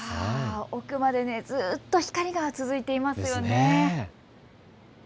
奥までずっと光が続いていますよね。